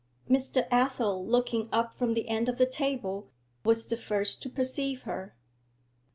Mr. Athel, looking up from the end of the table, was the first to perceive her.